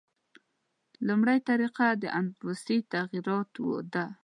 لومړۍ طریقه د انفسي تغییراتو ده.